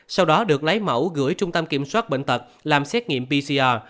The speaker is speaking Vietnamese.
sau đó được lấy mẫu gửi trung tâm kiểm soát bệnh tật làm xét nghiệm pcr